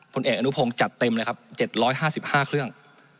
ผลเอกอนุพงศ์จัดเต็มเลยครับ๗๕๕เครื่อง